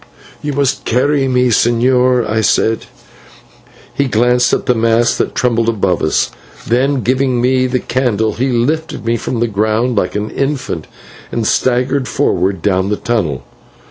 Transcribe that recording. "You must carry me, señor," I said. He glanced at the mass that trembled above us; then, giving me the candle, he lifted me from the ground like an infant and staggered forward down the tunnel.